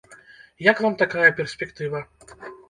Як вам такая перспектыва?